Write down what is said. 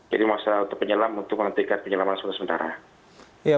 jadi masalah penyelam untuk menghentikan penyelaman sementara sementara